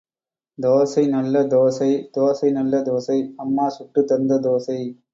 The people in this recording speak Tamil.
தோசை நல்ல தோசை தோசை நல்ல தோசை—அம்மா சுட்டுத் தந்த தோசை.